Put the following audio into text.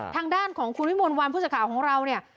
ทางด้านของคุณวิมวลวัลผู้สาขาของเรานี่